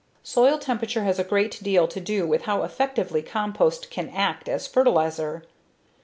Soil temperature has a great deal to do with how effectively compost can act as fertilizer.